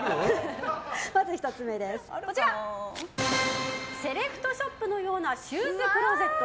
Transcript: まず１つ目はセレクトショップのようなシューズクローゼット。